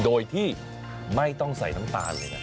โดยที่ไม่ต้องใส่น้ำตาลเลยนะ